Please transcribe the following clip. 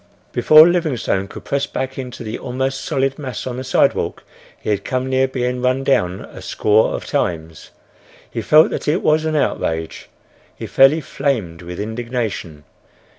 Before Livingstone could press back into the almost solid mass on the sidewalk he had come near being run down a score of times. He felt that it was an outrage. He fairly flamed with indignation.